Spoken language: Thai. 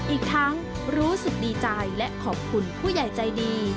อีกทั้งรู้สึกดีใจและขอบคุณผู้ใหญ่ใจดี